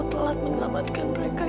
setelah saya pulaubers dengan sebuah